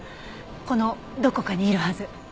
このどこかにいるはず。